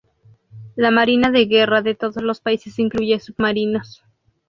La Marina de guerra de todos los países incluye submarinos.